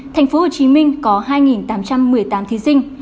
tp hcm có hai tám trăm một mươi tám thí sinh